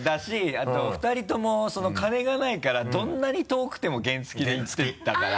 あと２人とも金がないからどんなに遠くても原付で行ってたから。